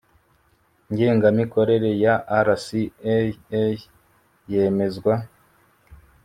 ngengamikorere ya rcaa yemezwa